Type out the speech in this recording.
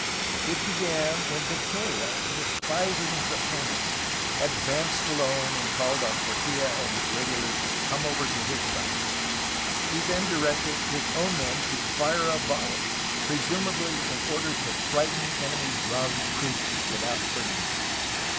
It began when Victoria, despising his opponents, advanced alone and called on Por tilla and his regulars to come over to his side. He then directed his own men to fire a volley, presumably in order to frighten the enemy's raw recruits without hurting them.